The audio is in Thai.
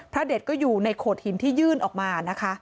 เด็ดก็อยู่ในโขดหินที่ยื่นออกมานะคะ